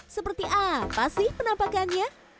seperti apa sih penampakannya